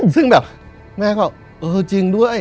ซึ่งแบบแม่ก็เออจริงด้วย